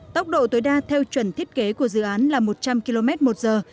tốc độ tối đa theo chuẩn thiết kế của dự án là một trăm linh km một giờ